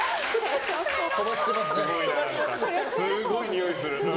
すごいにおいする。